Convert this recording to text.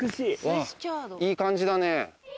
いい感じだね。